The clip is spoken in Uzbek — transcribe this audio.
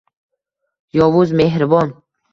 Yovuz mehribon.